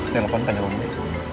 telepon kan jawabannya